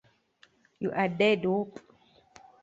You a dead wop.